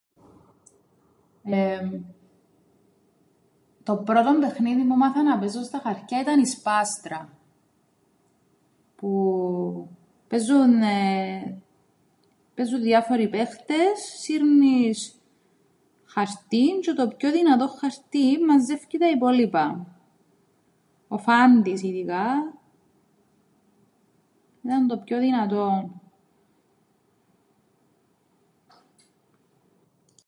Το πρώτον παιχνίδιν που 'μαθα να παίζω στα χαρτιά ΄ηταν η σπάστρα, που παίζουν διάφοροι παίχτες, σύρνεις χαρτίν τζ̆αι το πιο δυνατόν χαρτίν μαζε΄υκει τα υπόλοιπα. Ο φάντης ειδικά ήταν το πιο δυνατον.